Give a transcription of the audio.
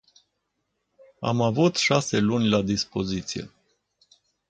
Am avut șase luni la dispoziție.